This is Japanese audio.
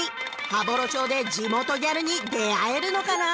羽幌町で地元ギャルに出会えるのかな？